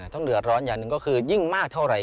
ต้องเดือดร้อนอย่างหนึ่งก็คือยิ่งมากเท่าไหร